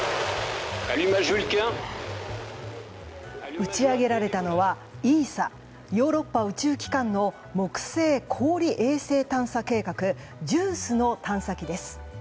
打ち上げられたのはＥＳＡ・ヨーロッパ宇宙機関の木星氷衛星探査計画ＪＵＩＣＥの探査機です。